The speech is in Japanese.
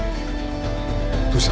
どうした。